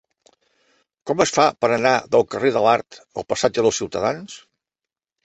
Com es fa per anar del carrer de l'Art al passatge dels Ciutadans?